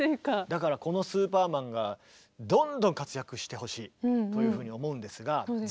だからこのスーパーマンがどんどん活躍してほしいというふうに思うんですがえ。